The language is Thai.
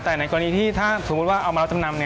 แต่ในกรณีที่ถ้าสมมุติว่าเอามารับจำนำ